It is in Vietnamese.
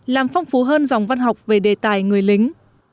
làm phong phú hơn dòng văn học về đề tài người lính